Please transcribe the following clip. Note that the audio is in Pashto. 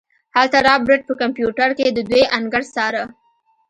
هلته رابرټ په کمپيوټر کې د دوئ انګړ څاره.